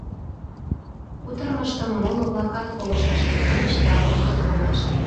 Кутырымыштым моло-влакат колышташ тӱҥальыч да воштыл колтышт.